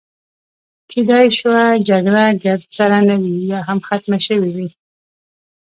کیدای شوه جګړه ګرد سره نه وي، یا هم ختمه شوې وي.